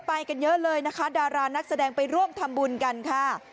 ไปกันเยอะเลยนะคะดารานักแสดงไปร่วมทำบุญกันค่ะ